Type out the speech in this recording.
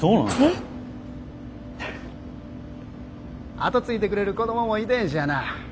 後継いでくれる子供もいてへんしやな。